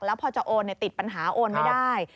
แล้วพอจะโอนติดปัญหาโอนไม่ได้